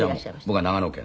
僕は長野県。